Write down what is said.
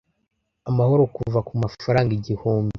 amahoro kuva ku mafaranga igihumbi